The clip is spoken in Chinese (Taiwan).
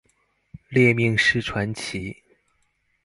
獵命師傳奇